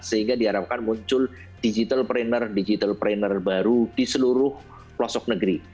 sehingga diharapkan muncul digital trainer digital trainer baru di seluruh pelosok negeri